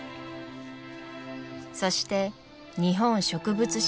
そして「日本植物志図譜」